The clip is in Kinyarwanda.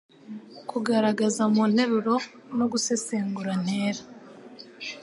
Kugaragaza mu nteruro no gusesengura ntera,